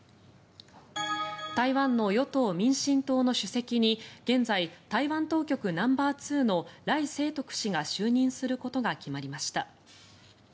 台湾の与党・民進党の主席に現在、台湾当局ナンバーツーの頼清徳氏が就任することが決まりました。